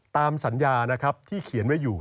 ตามสัญญานะครับที่เขียนไว้อยู่